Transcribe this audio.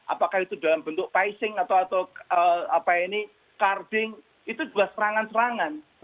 apakah itu dalam bentuk pricing atau carding itu juga serangan serangan